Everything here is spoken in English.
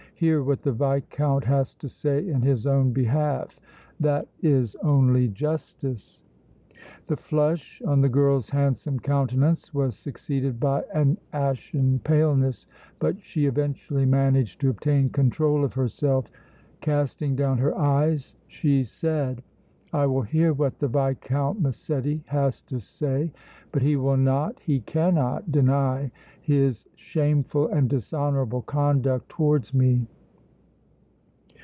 Hear what the Viscount has to say in his own behalf that is only justice!" The flush on the girl's handsome countenance was succeeded by an ashen paleness, but she eventually managed to obtain control of herself. Casting down her eyes, she said: "I will hear what the Viscount Massetti has to say, but he will not, he cannot, deny his shameful and dishonorable conduct towards me!"